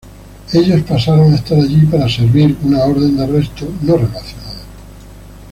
Ellos pasaron a estar allí para servir una orden de arresto no relacionado.